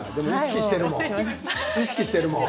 意識しているもん。